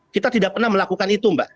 kita tidak pernah melakukan itu mbak